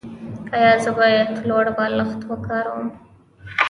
ایا زه باید لوړ بالښت وکاروم؟